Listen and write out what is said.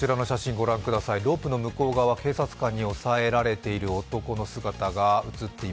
続いては、こちらの写真ご覧ください。